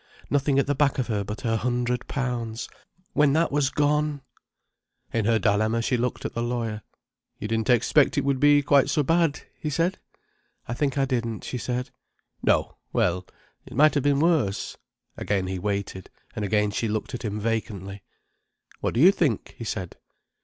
—nothing at the back of her but her hundred pounds. When that was gone—! In her dilemma she looked at the lawyer. "You didn't expect it would be quite so bad?" he said. "I think I didn't," she said. "No. Well—it might have been worse." Again he waited. And again she looked at him vacantly. "What do you think?" he said.